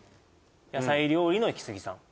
野菜料理のイキスギさん